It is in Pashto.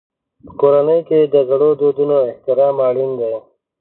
په کورنۍ کې د زړو دودونو احترام اړین دی.